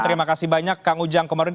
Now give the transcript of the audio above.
terima kasih banyak kang ujang komarudin